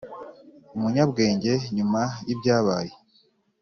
umunyabwenge nyuma yibyabaye.